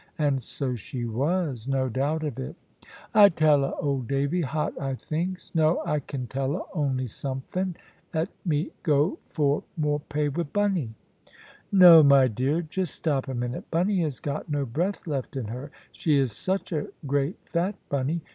And so she was; no doubt of it. "I tell 'a, old Davy, 'hot I thinks. No I can't tell 'a; only sompfin. 'Et me go for more pay with Bunny." "No, my dear, just stop a minute. Bunny has got no breath left in her; she is such a great fat Bunny.